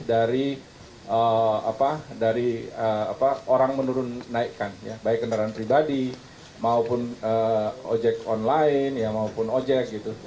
dari orang menurun naikkan ya baik kendaraan pribadi maupun ojek online maupun ojek gitu